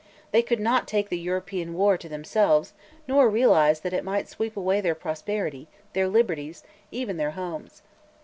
They could not take the European war to themselves, nor realize that it might sweep away their prosperity, their liberties even their homes.